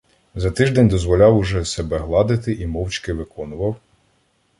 За тиждень дозволяв уже себе гладити і мовчки виконував